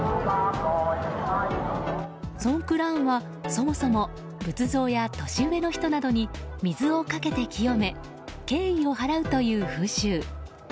ソンクラーンはそもそも仏像や年上の人などに水をかけて清め敬意を払うという風習。